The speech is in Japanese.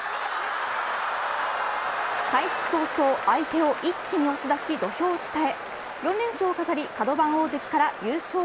開始早々、相手を一気に押し出し土俵下へ。